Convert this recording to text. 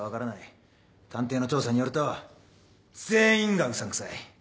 探偵の調査によると全員がうさんくさい。